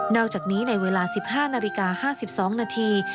อกจากนี้ในเวลา๑๕นาฬิกา๕๒นาที